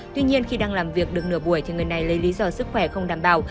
tuy nhiên khi đang làm việc được nửa buổi thì người này lấy lý do sức khỏe không đảm bảo